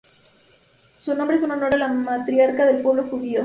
Su nombre es en honor a la matriarca del pueblo judío, Raquel.